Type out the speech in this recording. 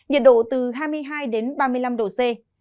nhiệt độ từ hai mươi hai ba mươi năm độ c